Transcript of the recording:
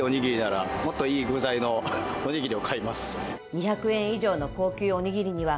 ２００円以上の高級おにぎりには普段。